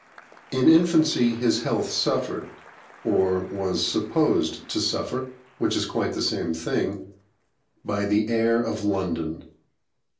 In infancy his health suffered, or was supposed to suffer (which is quite the same thing), by the air of London.